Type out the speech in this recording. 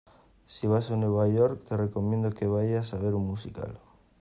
Si vas a Nueva York te recomiendo que vayas a ver un musical.